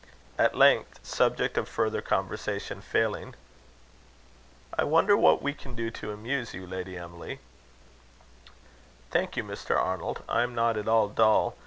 At length, subject of further conversation failing, "I wonder what we can do to amuse you, Lady Emily," said he. "Thank you, Mr. Arnold; I am not at all dull.